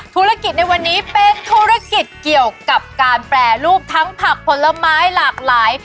ธุรกิจในวันนี้เป็นธุรกิจเกี่ยวกับการแปรรูปทั้งผักผลไม้หลากหลาย